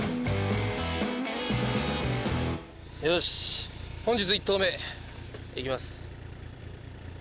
よし本日１投目いきます。